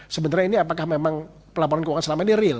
sebenarnya ini apakah memang pelaporan keuangan selama ini real